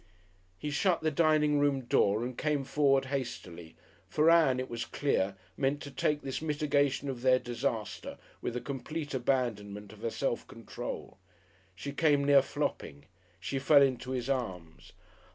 He shut the dining room door and came forward hastily, for Ann, it was clear, meant to take this mitigation of their disaster with a complete abandonment of her self control. She came near flopping; she fell into his arms.